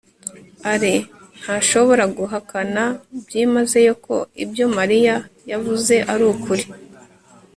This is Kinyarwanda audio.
alain ntashobora guhakana byimazeyo ko ibyo mariya yavuze ari ukuri